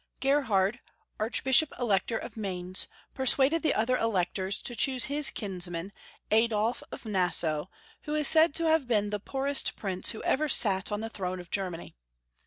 GERHARD, Archbishop Elector of Mainz, per suaded the other electors to choose his kins man, Adolf of Nassau, who is said to have been the poorest prince who ever sat on the throne of Germany.